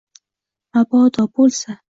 Mabodo bo‘lsa